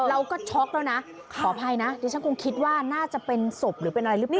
ช็อกแล้วนะขออภัยนะดิฉันคงคิดว่าน่าจะเป็นศพหรือเป็นอะไรหรือเปล่า